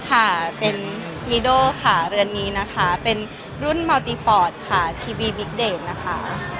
ค่ะเป็นค่ะเรือนนี้นะคะเป็นรุ่นค่ะทีวีบิ๊กเดทนะคะ